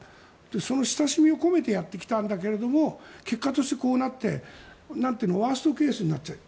その親しみを込めてやってきたんだけれども結果としてこうなってワーストケースになっている。